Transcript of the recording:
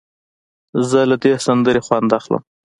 زه له دې سندرې خوند اخلم.